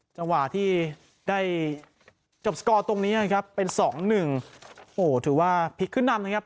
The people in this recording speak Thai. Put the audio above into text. จังหวะที่ได้จบสกอร์ตรงนี้นะครับเป็นสองหนึ่งโอ้โหถือว่าพลิกขึ้นนำนะครับ